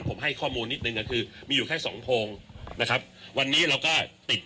ผมให้ข้อมูลนิดนึงก็คือมีอยู่แค่สองโพงนะครับวันนี้เราก็ติด